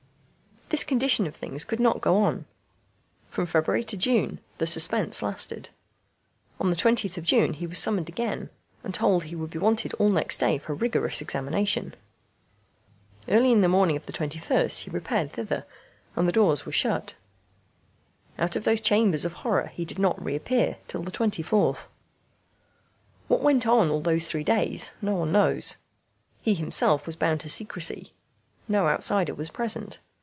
This condition of things could not go on. From February to June the suspense lasted. On the 20th of June he was summoned again, and told he would be wanted all next day for a rigorous examination. Early in the morning of the 21st he repaired thither, and the doors were shut. Out of those chambers of horror he did not reappear till the 24th. What went on all those three days no one knows. He himself was bound to secrecy. No outsider was present.